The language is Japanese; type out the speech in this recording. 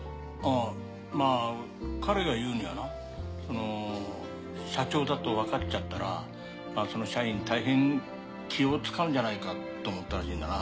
まあ彼が言うにはなその社長だとわかっちゃったらその社員たいへん気を遣うんじゃないかと思ったらしいんだな。